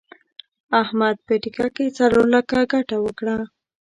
احمد په ټېکه کې څلور لکه ګټه وکړه.